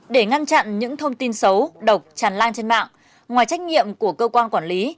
để ngăn chặn những thông tin xấu độc tràn lan trên mạng ngoài trách nhiệm của cơ quan quản lý